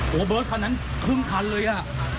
โหเบิร์ดครั้งนั้นแค่พึ่งครั้นเลยอ่ะ